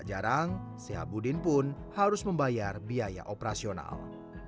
tak jarang sehabudin pun harus membayar biaya operasional